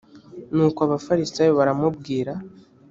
nuko abafarisayo baramubwira